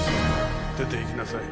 出ていきなさい。